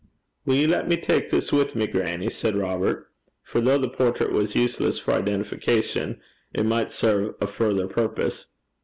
'Wull ye lat me tak this wi' me, grannie?' said Robert; for though the portrait was useless for identification, it might serve a further purpose.